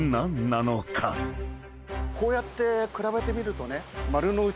こうやって比べてみるとね。